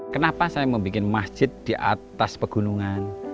kenapa saya membuat masjid di atas pegunungan